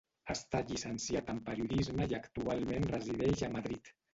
Està llicenciat en periodisme i actualment resideix a Madrid.